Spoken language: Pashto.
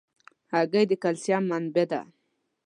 هګۍ د کلسیم منبع ده.